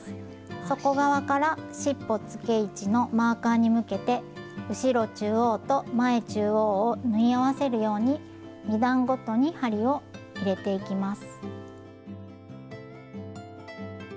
底側からしっぽつけ位置のマーカーに向けて後ろ中央と前中央を縫い合わせるように２段ごとに針を入れていきます。